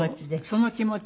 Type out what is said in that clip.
その気持ち。